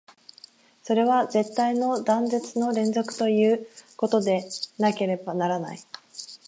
それは絶対の断絶の連続ということでなければならない。